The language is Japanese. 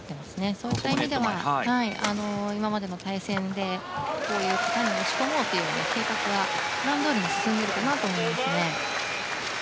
そういった意味では今までの対戦でそういうところに打ち込もうという計画はプランどおりに進んでいるかなと思いますね。